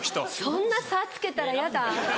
そんな差つけたらヤダ。